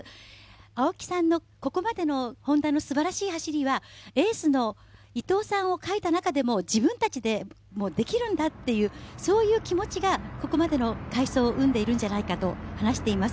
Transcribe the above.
青木さんのここまでのＨｏｎｄａのすばらしい走りは、エースの伊藤さんを欠いた中でも自分たちでできるんだという、そういう気持ちがここまでの快走を生んでいるんじゃないかと話しています。